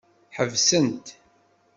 Ḥebsent.